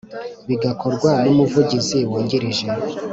Bigakorwa n umuvugizi wungirije